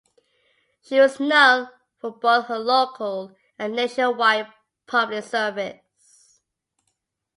She was known for both her local and nationwide public service.